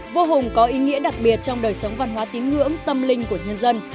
vô hùng có ý nghĩa đặc biệt trong đời sống văn hóa tín ngưỡng tâm linh của nhân dân